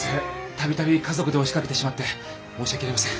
度々家族で押しかけてしまって申し訳ありません。